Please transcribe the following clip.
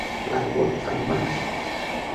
L'aigua fa llimacs.